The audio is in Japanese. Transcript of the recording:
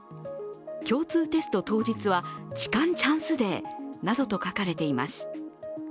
「共通テスト当日は痴漢チャンスデー」などと書かれています。